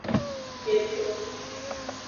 Keto.